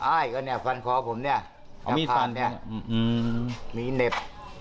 ไอ้ก็เนี่ยฟันคอผมเนี่ยเอามีดฟันเนี่ยมีเหน็บ